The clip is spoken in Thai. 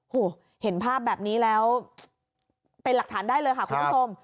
เห็นภาพแบบนี้แล้วเป็นหลักฐานได้เลยค่ะคุณผู้ชม